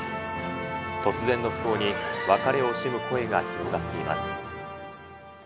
突然の訃報に、別れを惜しむ声が広がっています。